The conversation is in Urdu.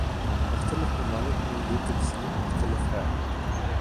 مختلف ممالک میں یہ تقسیم مختلف ہے۔